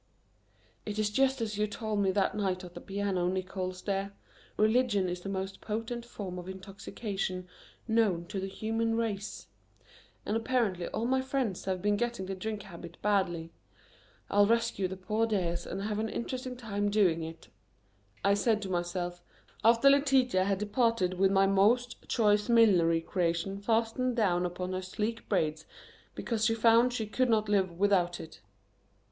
"It is just as you told me that night at the piano, Nickols dear: 'Religion is the most potent form of intoxication known to the human race,' and apparently all my friends have been getting the drink habit badly. I'll rescue the poor dears and have an interesting time doing it," I said to myself after Letitia had departed with my most choice millinery creation fastened down upon her sleek braids because she found she could not live without it.